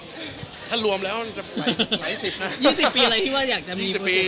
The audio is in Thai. ในอาการรวมปีถึง๑๐ปี